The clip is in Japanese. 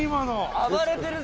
暴れてるぞ！